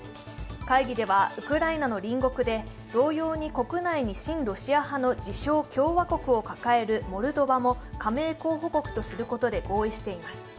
会議では、ウクライナの隣国で同様に国内に親ロシア派の自称・共和国を抱えるモルドバも加盟候補国とすることで合意しています。